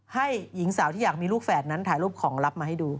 หญิงสาวที่อยากมีลูกแฝดนั้นถ่ายรูปของลับมาให้ดู